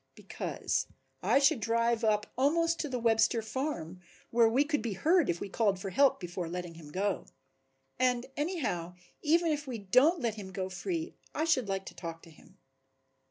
"Because I should drive up almost to the Webster farm, where we could be heard if we called for help before letting him go. And anyhow even if we don't let him go free I should like to talk to him."